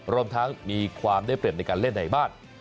รวมทั้งมีความได้เปรียบในการเล่นในบ้าน